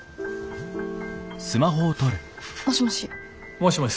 もしもし。